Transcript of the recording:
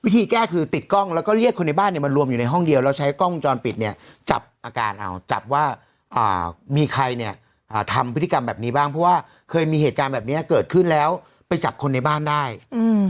ที่แก้คือติดกล้องแล้วก็เรียกคนในบ้านเนี่ยมารวมอยู่ในห้องเดียวแล้วใช้กล้องวงจรปิดเนี่ยจับอาการเอาจับว่ามีใครเนี่ยทำพฤติกรรมแบบนี้บ้างเพราะว่าเคยมีเหตุการณ์แบบนี้เกิดขึ้นแล้วไปจับคนในบ้านได้อืม